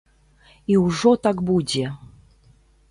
І ўжо так будзе.